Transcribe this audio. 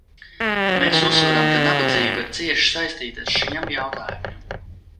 Mēs uzsveram, ka nabadzība ir cieši saistīta ar šiem jautājumiem.